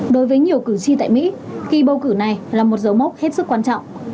đối với nhiều cử tri tại mỹ khi bầu cử này là một dấu mốc hết sức quan trọng